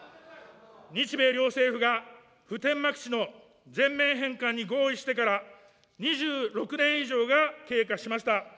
日米両政府が普天間基地の全面返還に合意してから、２６年以上が経過しました。